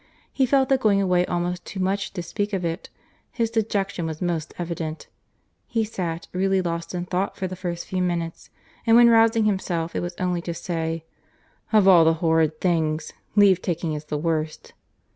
He felt the going away almost too much to speak of it. His dejection was most evident. He sat really lost in thought for the first few minutes; and when rousing himself, it was only to say, "Of all horrid things, leave taking is the worst."